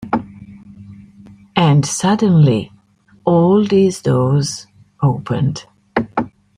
And suddenly, all these doors opened.